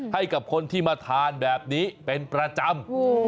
ให้กับคนที่มาทานแบบนี้เป็นประจำ